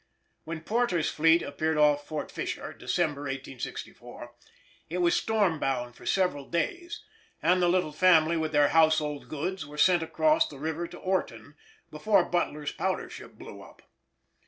When Porter's fleet appeared off Fort Fisher, December 1864, it was storm bound for several days, and the little family with their household goods were sent across the river to "Orton," before Butler's powder ship blew up.